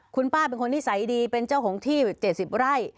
คุณป้าเป็นคนนิสัยดีเป็นเจ้าของที่๗๐ไร่